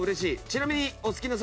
ちなみに。